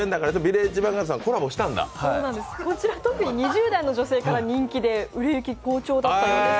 こちら特に２０代の女性から人気で売れ行き好調だったようです。